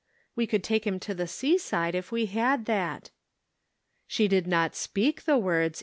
" We could take him to the seaside if we had that." She did not speak the words